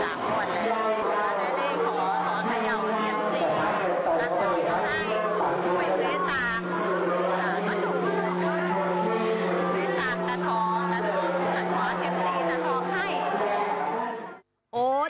ไม่ถูกไม่ถูก